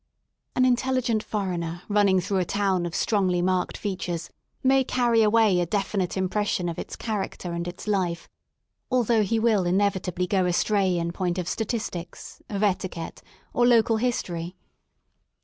An intelligent foreigner running through a town of strongly marked features may carry away a definite impression of its character and its life, although he will inevitably go astray in point of statistics, of etiquette, or local history.